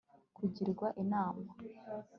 kugirwa inama